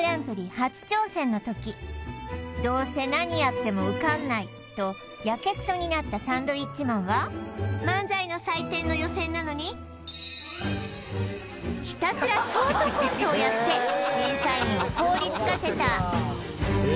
初挑戦の時どうせなにやっても受かんないとやけくそになったサンドウィッチマンは漫才の祭典の予選なのにひたすらショートコントをやって審査員を凍りつかせたへえ